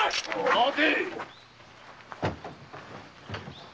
・待て！